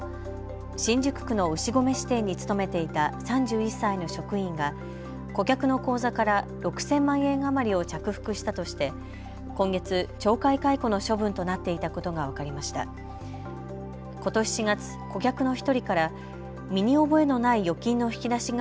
新宿区の牛込支店に勤めていた３１歳の職員が顧客の口座から６０００万円余りを着服したとして今月、懲戒解雇の処分となっていたことが分かりました。